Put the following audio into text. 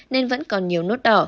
nên vẫn còn nhiều nốt đỏ